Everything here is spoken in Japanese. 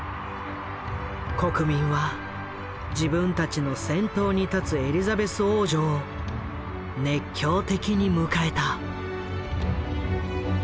国民は自分たちの先頭に立つエリザベス王女を熱狂的に迎えた。